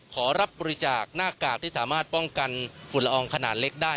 ขอรับบริจาคหน้ากากที่สามารถป้องกันฝุ่นละอองขนาดเล็กได้